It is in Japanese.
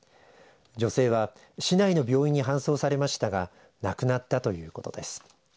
女性は市内の病院に搬送されましたが亡くなったということです。